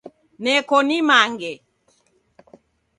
Neko nimange